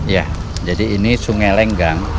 ya jadi ini sungai lenggang